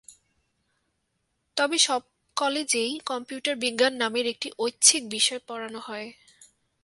তবে সব কলেজেই কম্পিউটার বিজ্ঞান নামের একটি ঐচ্ছিক বিষয় পড়ানো হয়।